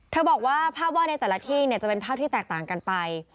บอกว่าภาพวาดในแต่ละที่เนี่ยจะเป็นภาพที่แตกต่างกันไป